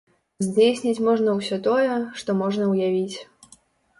Здзейсніць можна ўсё тое, што можна ўявіць.